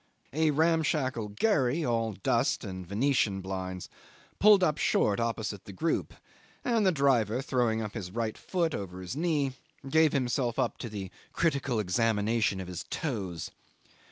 A ramshackle gharry, all dust and venetian blinds, pulled up short opposite the group, and the driver, throwing up his right foot over his knee, gave himself up to the critical examination of his toes.